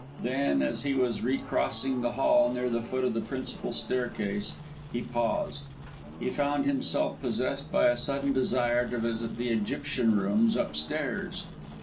Then, as he was recrossing the hall near the foot of the principal staircase, he paused. He found himself possessed by a sudden desire to visit the Egyptian Rooms, upstairs.